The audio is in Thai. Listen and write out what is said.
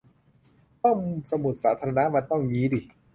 ห้องสมุดสาธารณะมันต้องงี้ดิ